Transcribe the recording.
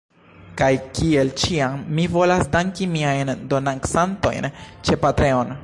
Kaj kiel ĉiam, mi volas danki miajn donacantojn ĉe Patreon.